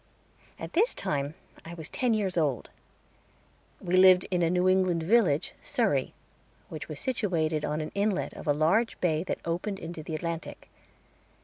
At this time I was ten years old. We lived in a New England village, Surrey, which was situated on an inlet of a large bay that opened into the Atlantic.